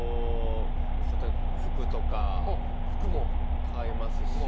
服とか買いますし。